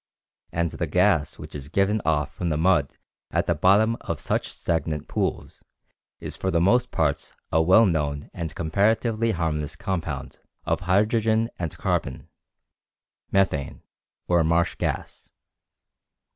and the gas which is given off from the mud at the bottom of such stagnant pools is for the most part a well known and comparatively harmless compound of hydrogen and carbon methane or "marsh gas."